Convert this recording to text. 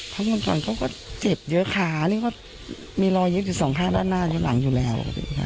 ครั้งก่อนก่อนก็เจ็บเยอะค่ะนี่ก็มีรอยยึดอยู่๒ข้างด้านหน้าอยู่หลังอยู่แล้ว